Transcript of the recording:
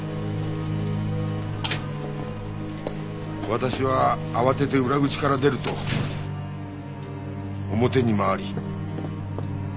私は慌てて裏口から出ると表に回り。